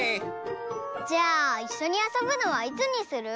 じゃあいっしょにあそぶのはいつにする？